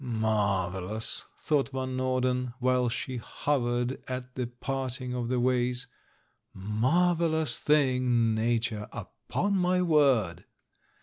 "Marvellous!" thought Van Norden, while she hovered at the parting of the ways, "marvellous thing, Nature, upon my word!"